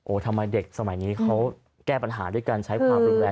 โอ้ทำไมเด็กสมัยนี้เขาแก้ปัญหาด้วยกันใช้ความรู้แรงเยอะจังเลย